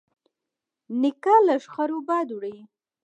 نیکه له شخړو بد وړي.